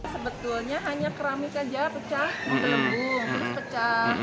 sebetulnya hanya keramik saja pecah melembung terus pecah